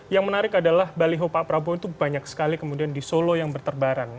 yang menarik adalah baliho pak prabowo itu banyak sekali kemudian di solo yang berterbaran